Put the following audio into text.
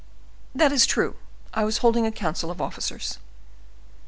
"That is true; I was holding a council of officers."